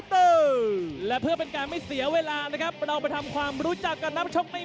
ร้องคู่เอกของเราแสนพลลูกบ้านใหญ่เทคซอลเพชรสร้างบ้านใหญ่